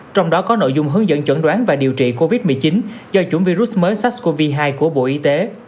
trong đó có nội dung hướng dẫn chẩn đoán và điều trị covid một mươi chín do chủng virus mới sars cov hai của bộ y tế